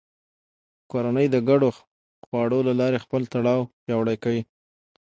کورنۍ د ګډو خواړو له لارې خپل تړاو پیاوړی کوي